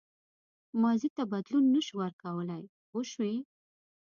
ماضي ته بدلون نه شو ورکولای پوه شوې!.